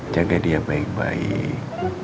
jaga dia baik baik